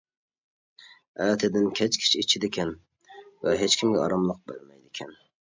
ئەتىدىن كەچكىچە ئىچىدىكەن ۋە ھېچكىمگە ئاراملىق بەرمەيدىكەن.